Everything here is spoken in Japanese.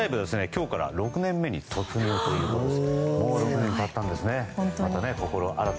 今日から６年目に突入ということで。